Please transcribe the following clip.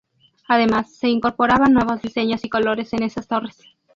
Además, se incorporaban nuevos diseños y colores en esas torres.